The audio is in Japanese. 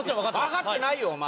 わかってないよお前。